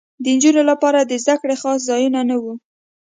د نجونو لپاره د زدکړې خاص ځایونه نه وو